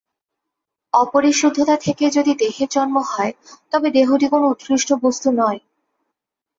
অপরিশুদ্ধতা থেকেই যদি দেহের জন্ম হয়, তবে দেহটি কোন উৎকৃষ্ট বস্তু নয়।